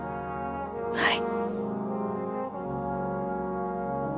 はい。